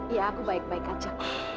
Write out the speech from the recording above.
ya aku baik baik aja